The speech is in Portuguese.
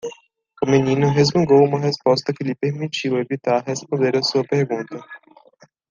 O menino resmungou uma resposta que lhe permitiu evitar responder a sua pergunta.